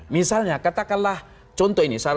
misalnya katakanlah contoh ini